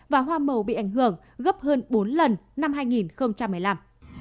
và hoa màu bị ảnh hưởng gấp hơn bốn lần năm hai nghìn một mươi năm